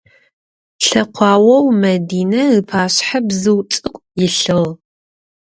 Лъэкъуаоу Мэдинэ ыпашъхьэ бзыу цӏыкӏу илъыгъ.